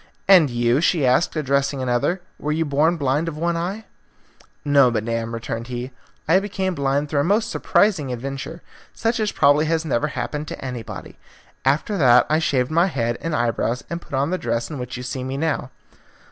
"And you," she asked, addressing another, "were you born blind of one eye?" "No, madam," returned he, "I became blind through a most surprising adventure, such as probably has never happened to anybody. After that I shaved my head and eyebrows and put on the dress in which you see me now."